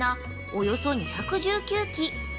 およそ２１９基。